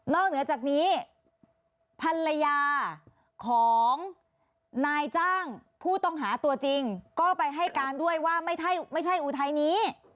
เหนือจากนี้ภรรยาของนายจ้างผู้ต้องหาตัวจริงก็ไปให้การด้วยว่าไม่ใช่อุทัยนี้